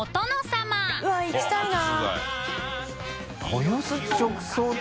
うわっ行きたいな。